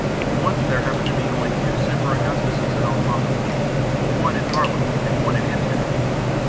Once there happened to be only two Semper Augustuses in all Holland, one in Haarlem and one in Amsterdam.